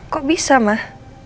kok bisa mah